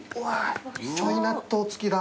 ちょい納豆付きだ。